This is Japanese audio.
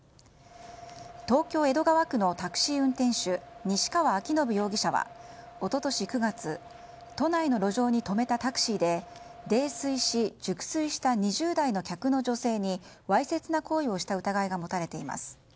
東京・江戸川区のタクシー運転手西川明伸容疑者は、一昨年９月都内の路上に止めたタクシーで泥酔し、熟睡した２０代の客の女性にわいせつな行為をした疑いが持たれています。